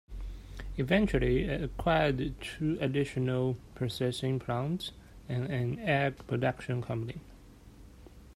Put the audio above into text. Eventually, it acquired two additional processing plants and an egg production company.